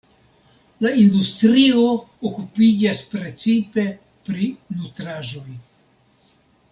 La industrio okupiĝas precipe pri nutraĵoj.